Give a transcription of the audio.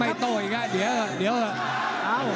ไม่โตอี๊กะเดี๋ยว